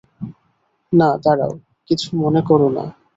না, দাঁড়াও, কিছু মনে করো না।